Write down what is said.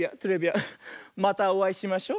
またおあいしましょ。